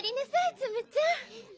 ツムちゃん